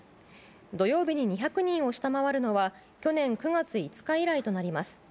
土曜日に２００人を下回るのは去年９月５日以来となります。